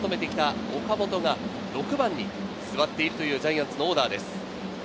これまで４番を務めてきた岡本が６番に座っているというジャイアンツのオーダーです。